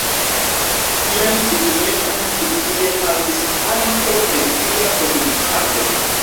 Sian signifon ĉi tie havis ankaŭ metia produktado.